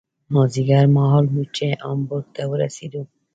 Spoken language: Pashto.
مازدیګر مهال و چې هامبورګ ته ورسېدو.